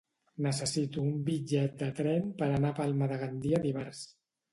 Necessito un bitllet de tren per anar a Palma de Gandia dimarts.